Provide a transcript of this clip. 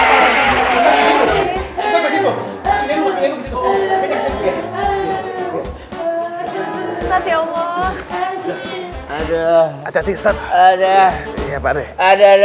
pakde sabar pakde